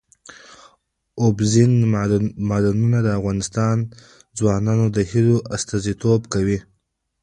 اوبزین معدنونه د افغان ځوانانو د هیلو استازیتوب کوي.